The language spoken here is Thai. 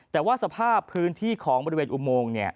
แต่ว่าสภาพพื้นที่ของบริเวณอุโมง